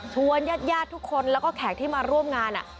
ชวนญาติทุกคนและแขกที่มาร่วมงาน